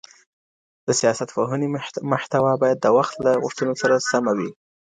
د سياست پوهني محتوا بايد د وخت له غوښتنو سره سمه وي.